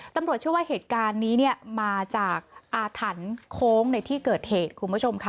ตำรวจชื่อว่าเหตุการณ์นี้มาจากอาถรรคงในที่เกิดเหตุ